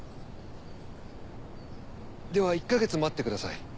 では１か月待ってください。